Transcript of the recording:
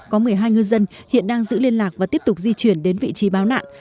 có một mươi hai ngư dân hiện đang giữ liên lạc và tiếp tục di chuyển đến vị trí báo nạn